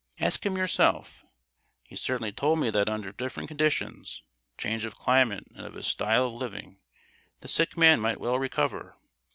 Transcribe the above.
Ask him yourself! He certainly told me that under different conditions—change of climate and of his style of living,—the sick man might well recover.